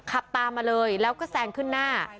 ขับตามมาเลยแล้วก็แซงขึ้นหน้า